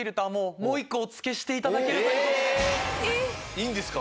いいんですか？